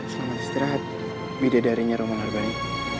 selamat istirahat bidadarinya romang arbani